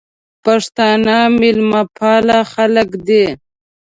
پښتانه مېلمه پاله خلګ دي.